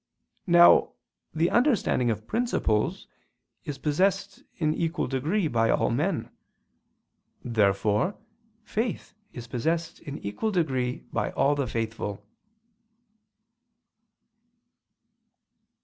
Now the understanding of principles is possessed in equal degree by all men. Therefore faith is possessed in equal degree by all the faithful.